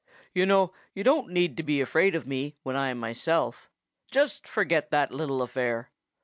You know you don't need to be afraid of me when I am myself. Just forget that little affair.